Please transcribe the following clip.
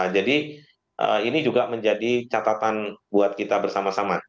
jadi ini juga menjadi catatan buat kita bersama sama